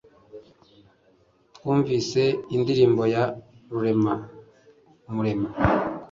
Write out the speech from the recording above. twumvise indirimbo ya rurema umuremyi